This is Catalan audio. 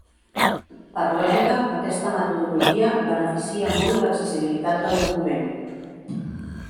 Per lògica, aquesta metodologia beneficia molt l'accessibilitat del document.